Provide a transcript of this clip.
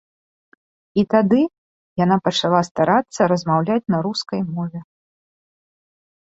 І тады яна пачала старацца размаўляць на рускай мове.